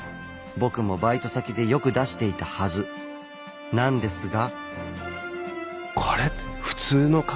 僕もバイト先でよく出していたはずなんですが。